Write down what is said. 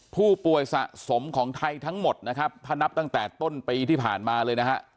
ผู้ป่วยสะสมของไทยทั้งหมดนะครับถ้านับตั้งแต่ต้นปีที่ผ่านมาเลยนะฮะ